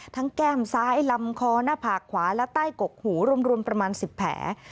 แก้มซ้ายลำคอหน้าผากขวาและใต้กกหูรวมประมาณ๑๐แผล